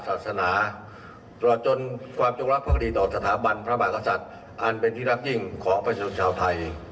ขอบคุณผู้ชายที่ทำชีวิต่ละนะธิพยาพี